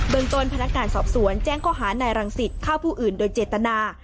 เมืองต้นพนักงานสอบสวนแจ้งข้อหานายรังสิตฆ่าผู้อื่นโดยเจตนา